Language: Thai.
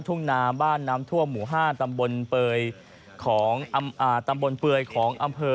ทุ่งนาบ้านนำทั่วหมู่ห้าตำบลเปลยของอ่าตำบลเปลยของอำเภอ